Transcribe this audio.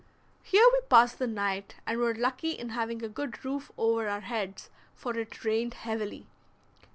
Here we passed the night, and were lucky in having a good roof over our heads, for it rained heavily.